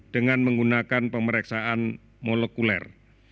dengan menggunakan pemeriksaan molekuler